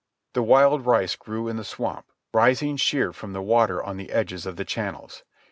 The wild rice grew in the swamp, rising sheer from the water on the edges of the channels.